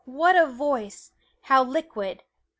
what a voice how liquid!